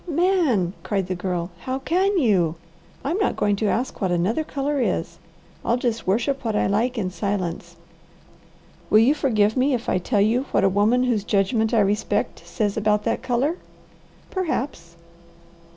"Man!" cried the Girl. "How can you? I'm not going to ask what another colour is. I'll just worship what I like in silence." "Will you forgive me if I tell you what a woman whose judgment I respect says about that colour?" "Perhaps!"